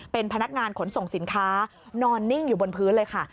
เป็นพนักงานขนส่งสินค้านอนนิ่งอยู่บนพื้นเลยค่ะ